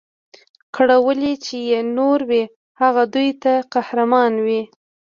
کړولي چي یې نور وي هغه دوی ته قهرمان وي